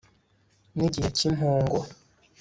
nigihe cyimpongo